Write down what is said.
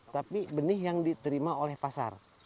tapi benih yang diterima oleh pasar